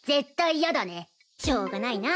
しょうがないな。